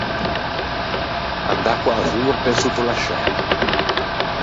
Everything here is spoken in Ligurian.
Andâ co-a vorpe sotto l’ascella.